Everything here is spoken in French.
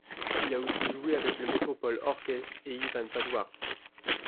Il a aussi joué avec le Metropole Orkest et Ivan Paduart.